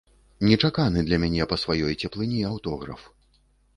Нечаканы для мяне па сваёй цеплыні аўтограф.